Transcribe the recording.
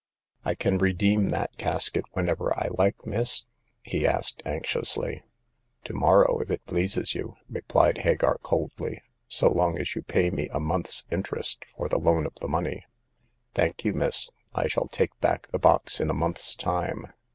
I can redeem that casket whenever I like, miss ?" he asked, anxiously. '* To morrow, if it pleases you ?" replied Hagar, coldly, " so long as you pay me a month's interest for the loan of the money." Thank you, miss ; I shall take back the box in a month's time.